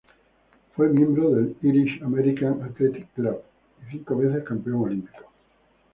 Fue miembro del "Irish American Athletic Club" y cinco veces campeón olímpico.